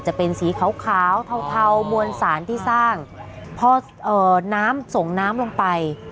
จะเป็นสีขาวขาวเทาเทามวลสารที่สร้างพอเอ่อน้ำส่งน้ำลงไป